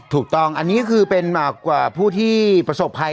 ถูกต้องอันนี้คือเป็นมากกว่าผู้ที่ประสบภัย